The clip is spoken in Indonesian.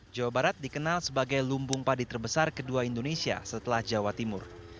jawa barat dikenal sebagai lumbung padi terbesar kedua indonesia setelah jawa timur